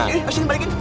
eh sini balikin